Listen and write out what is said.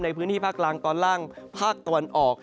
ในภาคหลังตอนล่างภาคตะวันออก